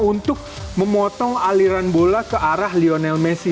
untuk memotong aliran bola ke arah lionel messi